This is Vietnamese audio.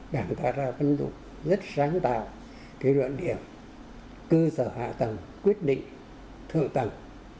đảng ta đã phân tục rất sáng tạo cái luận điểm cơ sở hạ tầng quyết định thượng tầng